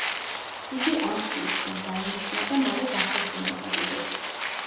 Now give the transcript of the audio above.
იგი ამცნობს, რომ დაინიშნა და მალე დაქორწინდება კიდეც.